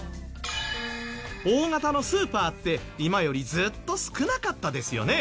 大型のスーパーって今よりずっと少なかったですよね。